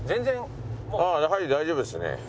はい大丈夫ですね。